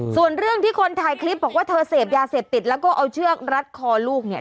ส่วนเรื่องที่คนถ่ายคลิปบอกว่าเธอเสพยาเสพติดแล้วก็เอาเชือกรัดคอลูกเนี่ย